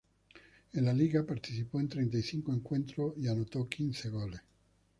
En la Liga, participó en treinta y cinco encuentros y anotó quince goles.